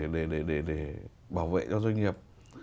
để bảo vệ cho doanh nghiệp